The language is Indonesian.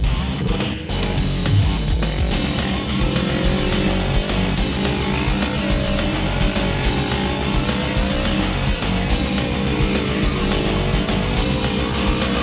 ada urusan penting bentar kok